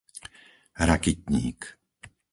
Rakytník